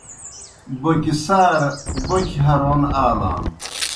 بوکیْ سارہ بوکیْ ہرون آلان۔